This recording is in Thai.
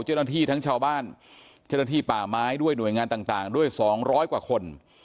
เจ้าหน้าที่ทั้งชาวบ้านเจ้าหน้าที่ป่าไม้ด้วยหน่วยงานต่างด้วย๒๐๐กว่าคน